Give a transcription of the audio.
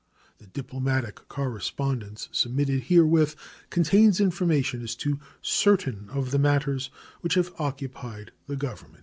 The diplomatic correspondence submitted herewith contains information as to certain of the matters which have occupied the Government.